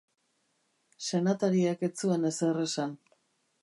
Senatariak ez zuen ezer esan.